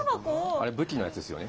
あれ武器のやつですよね。